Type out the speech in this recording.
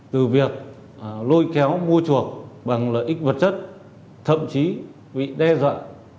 từ việc lôi kéo mua chuộc bằng lợi ích vật chất thậm chí bị đe dọa